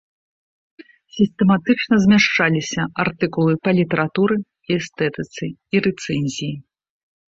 Сістэматычна змяшчаліся артыкулы па літаратуры і эстэтыцы і рэцэнзіі.